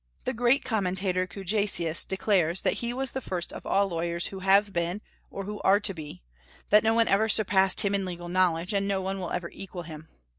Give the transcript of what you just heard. The great commentator Cujacius declares that he was the first of all lawyers who have been, or who are to be; that no one ever surpassed him in legal knowledge, and no one will ever equal him.